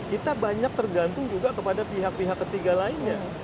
kita banyak tergantung juga kepada pihak pihak ketiga lainnya